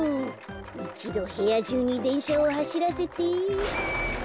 いちどへやじゅうにでんしゃをはしらせて。